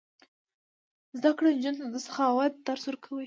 زده کړه نجونو ته د سخاوت درس ورکوي.